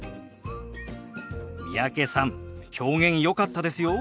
三宅さん表現よかったですよ。